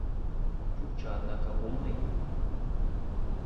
Чукча, однако умный!